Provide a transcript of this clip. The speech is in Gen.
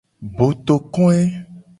Botokoe.